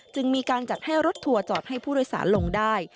จึงมีการจัดให้รถทัวร์จอดให้ผู้โดยสารลงได้